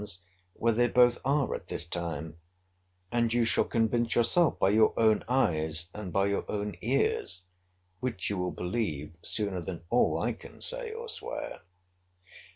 's, where they both are at this time; and you shall convince yourself by your own eyes, and by your own ears; which you will believe sooner than all I can say or swear.